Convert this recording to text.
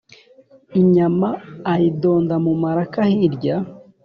Inyama ayidonda mu maraka hirya,